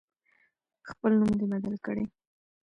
خپل نوم دی بدل کړي.